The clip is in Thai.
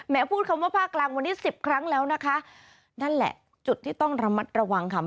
พูดคำว่าภาคกลางวันนี้สิบครั้งแล้วนะคะนั่นแหละจุดที่ต้องระมัดระวังค่ะ